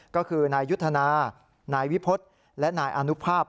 ก็คือนายยุทธนานายวิพฤษและนายอนุภาพ